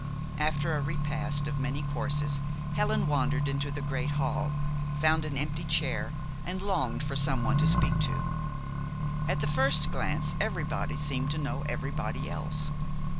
After a repast of many courses Helen wandered into the great hall, found an empty chair, and longed for someone to speak to. At the first glance, everybody seemed to know everybody else.